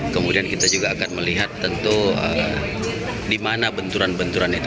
kemudian kita juga akan melihat tentu di mana benturan benturan itu